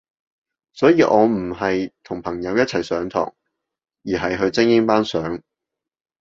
所以我唔係同朋友一齊上堂，而係去精英班上